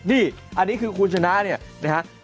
นี่อันนี้คือคุณชนะเนี่ยนะฮะ